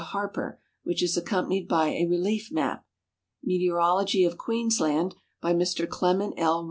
Harper, which is accompanied bj^ a relief map ;" Meteorology of Queensland," by Mr Clement L.